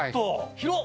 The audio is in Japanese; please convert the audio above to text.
広っ！